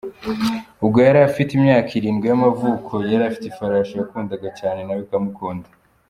Ubwo yari afite imyaka irindwi y’amavuko yari afite ifarashi yakundaga cyane nawe ikamukunda.